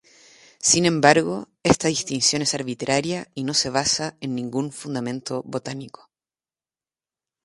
Sin embargo, esta distinción es arbitraria y no se basa en ningún fundamento botánico.